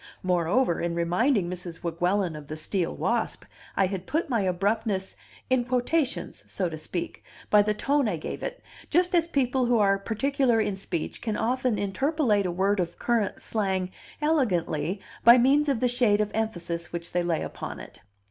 Moreover, in reminding Mrs. Weguelin of the steel wasp, I had put my abruptness in "quotations," so to speak, by the tone I gave it, just as people who are particular in speech can often interpolate a word of current slang elegantly by means of the shade of emphasis which they lay upon it.